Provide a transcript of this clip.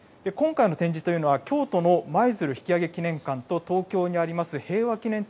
今回の展示というのは、京都の舞鶴引揚記念館と、東京にあります